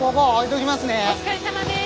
お疲れさまです。